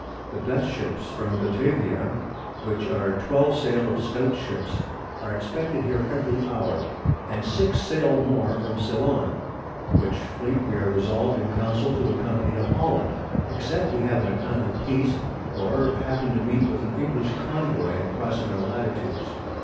The_ Dutch Ships from Batavia (which are 12 Sail of stout Ships) are expected here every Hour, and six Sail more from Ceilon , which Fleet we are resolved in Council to accompany to Holland , except we have an Account of Peace, or happen to meet with an English _Convoy in crossing our Latitudes.